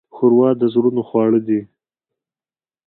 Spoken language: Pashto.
ښوروا د زړونو خواړه دي.